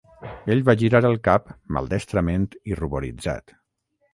Ell va girar el cap maldestrament i ruboritzat.